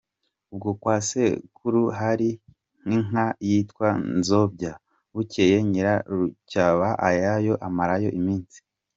Ubwo kwa sekuru hari inka yitwa Nzobya, bukeye Nyirarucyaba ajyayo, amarayo iminsi.